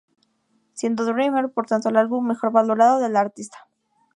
Siendo Dreamer, por tanto, el álbum mejor valorado de la artista.